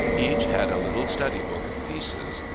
Each had a little study book of pieces.